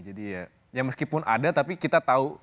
ya meskipun ada tapi kita tahu